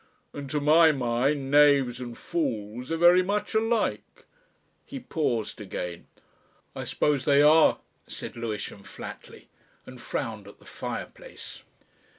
And to my mind knaves and fools are very much alike." He paused again. "I suppose they are," said Lewisham flatly, and frowned at the fireplace.